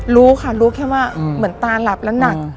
รู้ค่ะรู้แค่ว่าเหมือนตาหลับแล้วหนัก